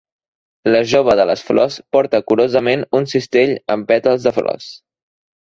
La jove de les flors porta curosament un cistell amb pètals de flors.